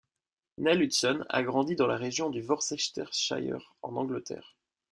Nell Hudson a grandi dans la région du Worcestershire, en Angleterre.